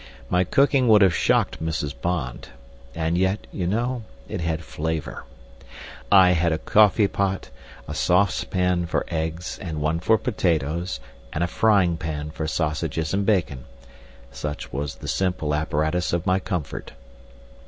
My cooking would have shocked Mrs. Bond. And yet, you know, it had flavour. I had a coffee pot, a sauce pan for eggs, and one for potatoes, and a frying pan for sausages and bacon—such was the simple apparatus of my comfort.